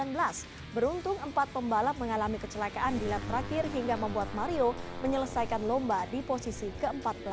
ke sembilan belas beruntung empat pembalap mengalami kecelakaan di latrakir hingga membuat mario menyelesaikan lomba di posisi ke empat belas